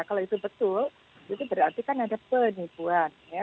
kalau itu betul itu berarti kan ada penipuan